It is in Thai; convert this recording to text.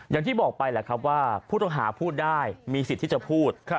อย่างที่บอกไปแหละครับว่าผู้ต้องหาพูดได้มีสิทธิ์ที่จะพูด